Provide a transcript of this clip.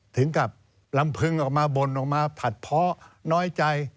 ถึงกับลำพึงออกมาบ่นออกมาผัดเพาะน้อยใจ